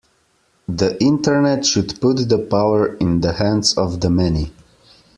The Internet should put the power in the hands of the many.